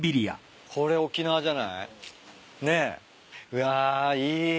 うわいい。